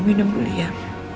mama minum kuliah